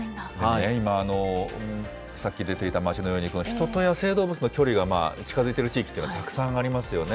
今、さっき出ていた町のように、人と野生動物の距離が近づいている地域っていうのは、たくさんありますよね。